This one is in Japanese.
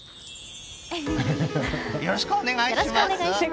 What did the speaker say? よろしくお願いします。